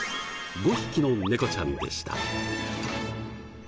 ５匹の猫ちゃんでした。